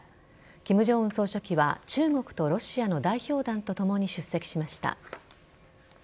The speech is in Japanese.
金正恩総書記は中国とロシアの代表団とともに出席しました。